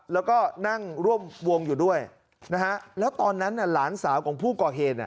แล้วก็นั่งร่วมวงอยู่ด้วยนะฮะแล้วตอนนั้นหลานสาวของผู้ก่อเหตุ